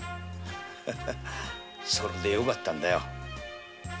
それでよかったんだよ。